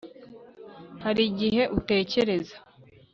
hari igihe utekereza